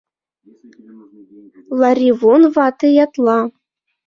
— Ларивон вате ятла.